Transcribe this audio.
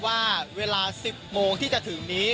ว่าเวลา๑๐โมงที่จะถึงนี้